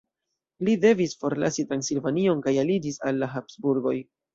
Li devis forlasi Transilvanion kaj aliĝis al la Habsburgoj.